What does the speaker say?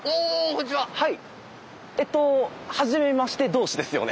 えっとはじめまして同士ですよね？